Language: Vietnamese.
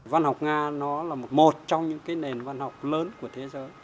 văn học nga nó là một trong những nền văn học lớn của thế giới